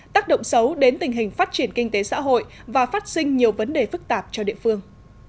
tác động xấu đến tình hình phát triển kinh tế xã hội và phát sinh nhiều vấn đề phức tạp cho địa phương